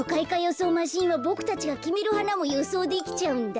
そうマシーンはボクたちがきめるはなもよそうできちゃうんだ。